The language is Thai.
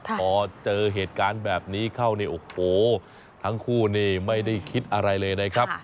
พอเจอเหตุการณ์แบบนี้เข้านี่โอ้โหทั้งคู่นี่ไม่ได้คิดอะไรเลยนะครับ